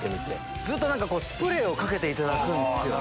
ずっとスプレーをかけていただくんすよ。